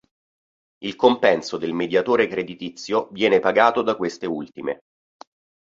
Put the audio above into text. Il compenso del mediatore creditizio viene pagato da queste ultime.